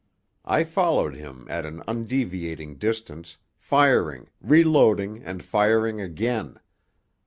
I followed him at an undeviating distance, firing, reloading, and firing again.